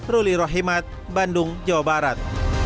ruli rohimat bandung jawa barat